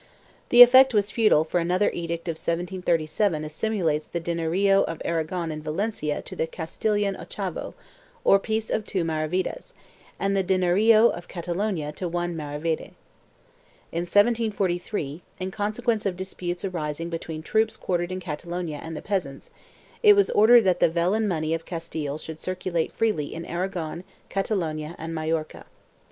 The effort was futile for another edict of 1737 assimilates the dinerillo of Aragon and Valencia to the Castilian ochavo, or piece of 2 maravedis, and the dinerillo of Catalonia to 1 maravedi. In 1743, in consequence of disputes arising between troops quartered in Catalonia and the peasants, it was ordered that the vellon money of Castile should circulate freely in Aragon, Catalonia and Majorca.